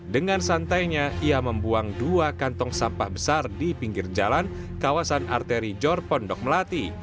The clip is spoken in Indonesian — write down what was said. dengan santainya ia membuang dua kantong sampah besar di pinggir jalan kawasan arteri jor pondok melati